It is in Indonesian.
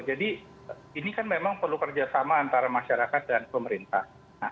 jadi ini kan memang perlu kerjasama antara masyarakat dan pemerintah